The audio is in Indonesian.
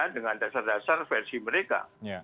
dengan dasar dasar versi mereka